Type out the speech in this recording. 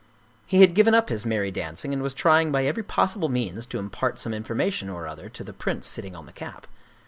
. He had given up his merry dancing and was trying by every possible means to impart some information or other to the prince sitting on the cap.